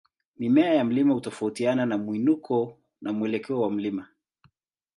Mimea ya mlima hutofautiana na mwinuko na mwelekeo wa mlima.